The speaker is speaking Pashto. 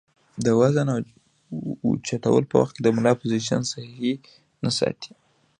د وزن اوچتولو پۀ وخت د ملا پوزيشن سهي نۀ ساتي